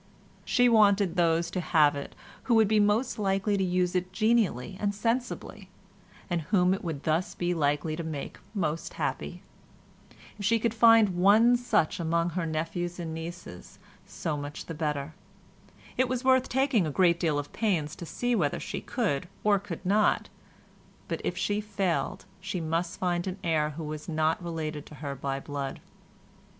She wanted those to have it who would be most likely to use it genially and sensibly, and whom it would thus be likely to make most happy; if she could find one such among her nephews and nieces, so much the better; it was worth taking a great deal of pains to see whether she could or could not; but if she failed, she must find an heir who was not related to her by blood.